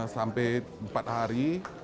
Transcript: sampai empat hari